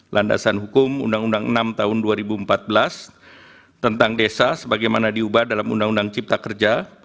landasan hukum undang undang enam tahun dua ribu empat belas tentang desa sebagaimana diubah dalam undang undang cipta kerja